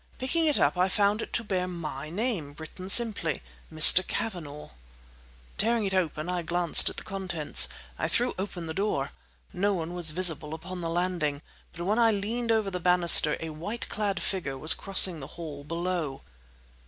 Picking it up, I found it to bear my name—written simply— "Mr. Cavanagh." Tearing it open I glanced at the contents. I threw open the door. No one was visible upon the landing, but when I leaned over the banister a white clad figure was crossing the hall, below.